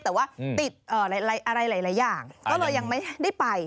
แต่ว่าติดอะไรหลายอย่างก็เลยยังไม่ได้ไป